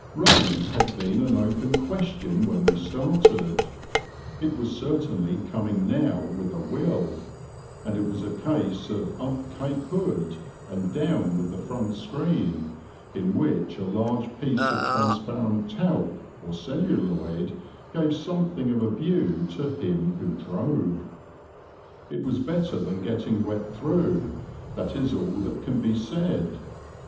Rain had been an open question when we started; it was certainly coming now with a will; and it was a case of up cape hood and down with the front screen, in which a large piece of transparent talc, or celluloid, gave something of a view to him who drove. It was better than getting wet through, that is all that can be said.